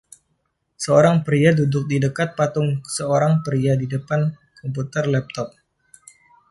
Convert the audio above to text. Seorang pria duduk di dekat patung seorang pria di depan komputer laptop.